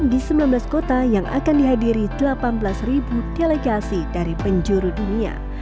di sembilan belas kota yang akan dihadiri delapan belas delegasi dari penjuru dunia